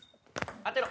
当てろ。